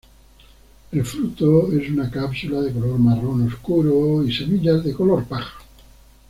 El fruto es una cápsula de color marrón oscuro y semillas de color paja.